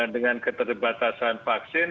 dengan keterbatasan vaksin